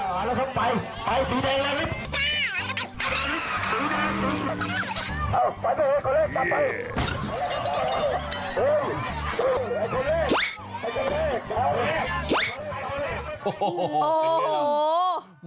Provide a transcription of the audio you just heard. โอ้โหโอ้โห